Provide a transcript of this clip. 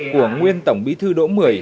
của nguyên tổng bí thư đỗ mười